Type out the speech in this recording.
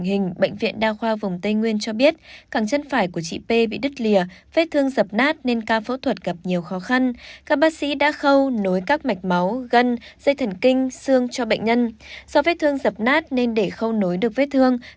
hãy đăng ký kênh để ủng hộ kênh của chúng mình nhé